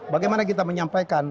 bagaimana kita menyampaikan